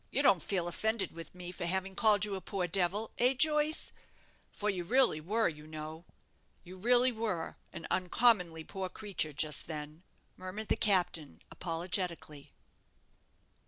You don't feel offended with me for having called you a poor devil, eh, Joyce? for you really were, you know you really were an uncommonly poor creature just then," murmured the captain, apologetically.